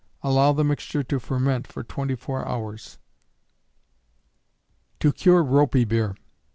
Allow the mixture to ferment for 24 hours. _To Cure Ropy Beer.